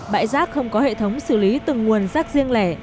bãi rác không có hệ thống xử lý từng nguồn rác riêng lẻ